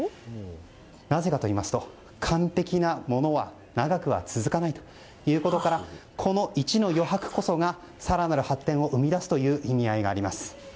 なぜかといいますと完璧なものは長くは続かないということからこの１の余白こそが更なる発展を生み出すという意味合いがあります。